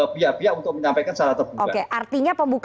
biar biar untuk menyampaikan saat terbuka